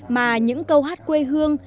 mà những câu hát quê hương